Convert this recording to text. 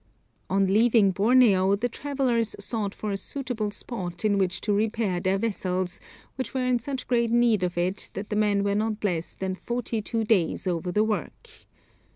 On leaving Borneo the travellers sought for a suitable spot in which to repair their vessels, which were in such great need of it that the men were not less than forty two days over the work.